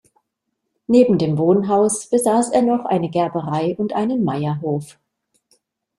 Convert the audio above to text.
Neben dem Wohnhaus besaß er noch eine Gerberei und einen Meierhof.